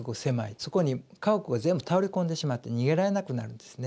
そこに家屋が全部倒れ込んでしまって逃げられなくなるんですね。